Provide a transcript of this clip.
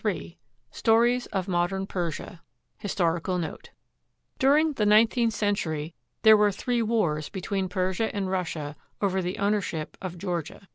Ill STORIES OF MODERN PERSIA HISTORICAL NOTE During the nineteenth century there were three wars be tween Persia and Russia over the ownership of Georgia.